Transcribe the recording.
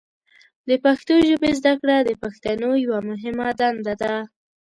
د پښتو ژبې زده کړه د پښتنو یوه مهمه دنده ده.